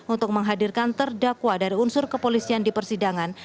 untuk menghadirkan terdakwa dari unsur kepolisian di persidangan